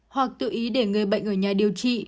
hoặc tự ý để người bệnh ở nhà điều trị